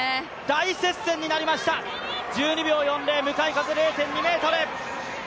大接戦になりました、１２秒４０、向かい風０．２メートル。